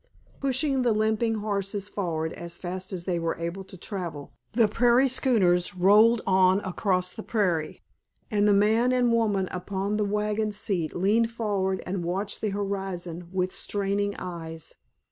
Pushing the limping horses forward as fast as they were able to travel, the prairie schooners rolled on across the prairie, and the man and woman upon the wagon seat leaned forward and watched the horizon with straining eyes.